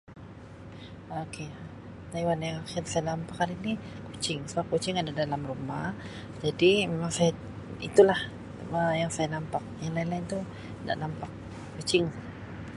Ok haiwan-haiwan yang saya nampak hari ini kucing seb kucing ada dalam rumah jadi mimang saya itu lah Um yang saya nampak yang lain-lain tu nda nampak kucing.